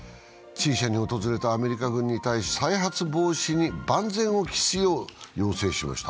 陳謝に訪れたアメリカ軍に対し、再発防止に万全を期すよう要請しました。